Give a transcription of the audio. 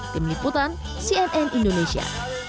tim liputan cnn indonesia